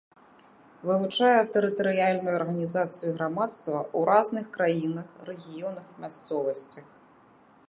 Вывучае тэрытарыяльную арганізацыю грамадства ў разных краінах, рэгіёнах, мясцовасцях.